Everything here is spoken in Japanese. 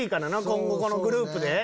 今後このグループで。